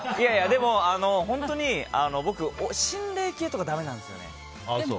でも、本当に僕心霊系とかだめなんですよね。